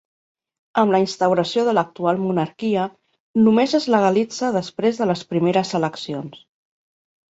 Amb la instauració de l'actual monarquia, només es legalitza després de les primeres eleccions.